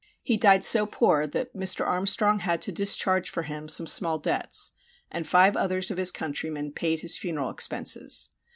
He died so poor that Mr. Armstrong had to discharge for him some small debts, and five others of his countrymen paid his funeral expenses.